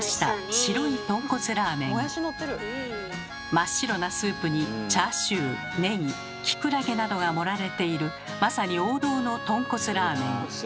真っ白なスープにチャーシューネギキクラゲなどが盛られているまさに王道のとんこつラーメン。